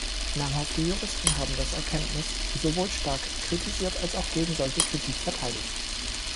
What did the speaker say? Namhafte Juristen haben das Erkenntnis sowohl stark kritisiert als auch gegen solche Kritik verteidigt.